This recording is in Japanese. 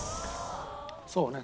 そうね。